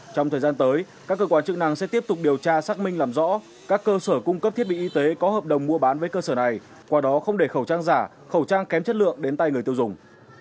trong thời gian tới các cơ quan chức năng sẽ tiếp tục điều tra xác minh làm rõ các cơ sở cung cấp thiết bị y tế có hợp đồng mua bán với cơ sở này qua đó không để khẩu trang giả khẩu trang kém chất lượng đến tay người tiêu dùng